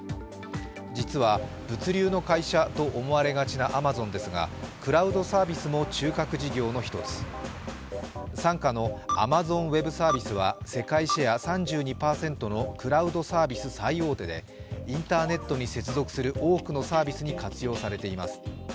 実は物流の会社と思われがちなアマゾンですがクラウドサービスも中核事業の１つ傘下のアマゾンウェブサービスは世界シェア３２％のクラウドサービス最大手でインターネットに接続する多くのサービスに活用されています。